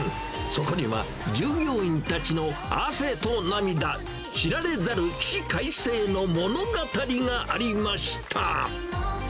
そこには従業員たちの汗と涙、知られざる起死回生の物語がありました。